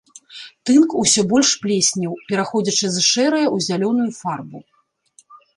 Тынк усё больш плеснеў, пераходзячы з шэрае ў зялёную фарбу.